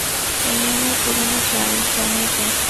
এই আমার পুরানো চাল, জানই তো।